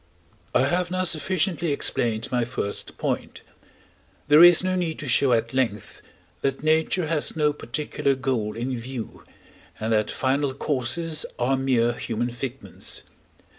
I have now sufficiently explained my first point. There is no need to show at length, that nature has no particular goal in view, and that final causes are mere human figments.